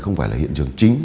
không phải là hiện trường chính